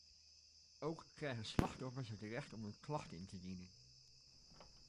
Ook krijgen slachtoffers het recht om een klacht in te dienen.